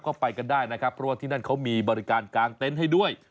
ก็ไปกันได้นะครับเพราะว่าที่นั่นเขามีบริการกางเต็นต์ให้ด้วย